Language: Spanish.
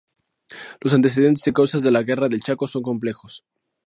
Los antecedentes y causas de la guerra del Chaco son complejos.